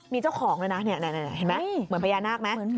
มีเจ้าของด้วยนะเห็นไหมเหมือนพญานาคไหม